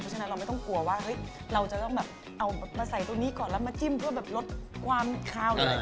ฉะนั้นเราไม่ต้องกลัวว่าเราจะต้องแบบเอามาใส่ตรงนี้ก่อนแล้วมาจิ้มเพื่อแบบลดความคาวเลย